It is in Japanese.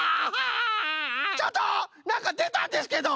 ちょっとなんかでたんですけど！